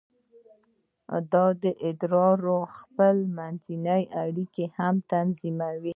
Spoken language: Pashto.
دا د ادارو خپل منځي اړیکې هم تنظیموي.